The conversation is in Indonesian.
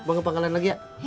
bang pangkalan lagi ya